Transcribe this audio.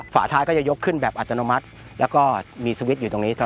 ฝาท้ายก็จะยกขึ้นแบบอัตโนมัติแล้วก็มีสวิตช์อยู่ตรงนี้